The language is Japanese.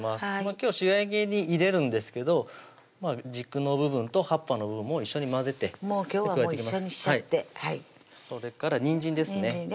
今日は仕上げに入れるんですけど軸の部分と葉っぱの部分も一緒に混ぜてもう今日は一緒にしちゃってそれからにんじんですね